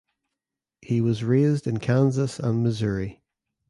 He was raised in Kansas and Missouri.